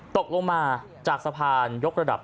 ตกลงมาจากสะพานยกระดับ